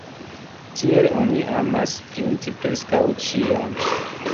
Tiel oni emas printi preskaŭ ĉion.